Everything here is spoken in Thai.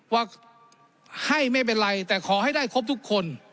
ว่าให้ไม่เป็นไรแต่ขอให้ได้ครบทุกคน